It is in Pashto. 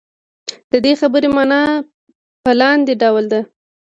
د دې خبرې معنا په لاندې ډول ده.